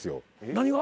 何が？